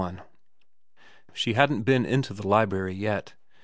XXXI SHE hadn't been into the library yet.